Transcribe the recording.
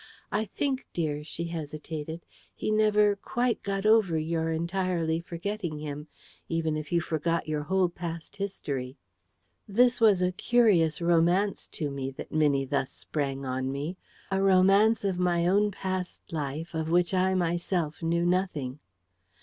I think, dear," she hesitated, "he never QUITE got over your entirely forgetting him, even if you forgot your whole past history." This was a curious romance to me, that Minnie thus sprang on me a romance of my own past life of which I myself knew nothing.